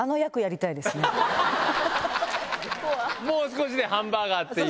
もう少しでハンバーガーっていう。